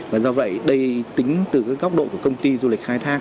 và do vậy đây tính từ cái góc độ của công ty du lịch khai thác